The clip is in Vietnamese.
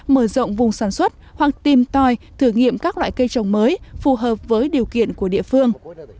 mở rộng vùng sản xuất hoặc tìm tòi thử nghiệm các loại cây trồng mới phù hợp với điều kiện của địa phương